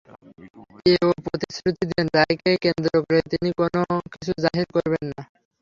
এ-ও প্রতিশ্রুতি দেন, রায়কে কেন্দ্র করে তিনি কোনো কিছু জাহির করবেন না।